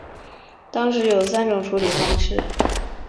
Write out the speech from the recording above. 当时有三种处理方案。